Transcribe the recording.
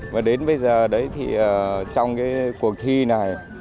và đến bây giờ đấy thì trong cái cuộc thi này